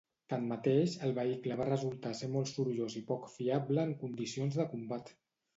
Tanmateix, el vehicle va resultar ser molt sorollós i poc fiable en condicions de combat.